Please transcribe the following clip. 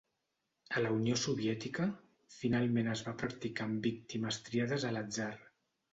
A la Unió Soviètica, finalment es va practicar en víctimes triades a l'atzar.